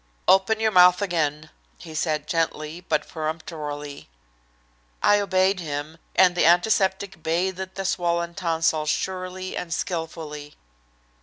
"Open your mouth again," he said gently, but peremptorily. I obeyed him, and the antiseptic bathed the swollen tonsils surely and skilfully.